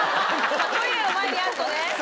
トイレの前にあるとね。